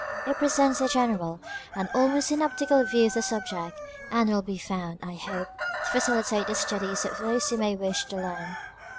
It presents a general, and almost synoptical view of the subject, and will be found, I hope, to faeilitate the studies of those who may wish to learn.